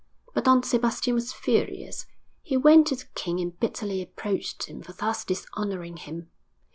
But Don Sebastian was furious! He went to the king and bitterly reproached him for thus dishonouring him....